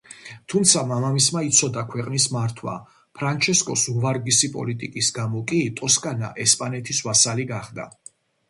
თუმცა მამამისმა იცოდა ქვეყნის მართვა, ფრანჩესკოს უვარგისი პოლიტიკის გამო კი ტოსკანა ესპანეთის ვასალი გახდა.